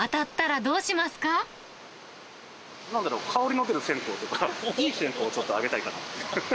なんだろう、香りの出る線香とか、いい線香を、ちょっとあげたいかなって。